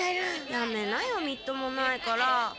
やめなよみっともないから。